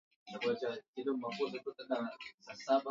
jamuhuri ya kidemokrasia ya Kongo inaunganishwa kwenye vyombo vya habari